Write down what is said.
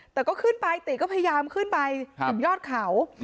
แต่ก็ขึ้นไปติก็พยายามขึ้นไปถึงยอดเขา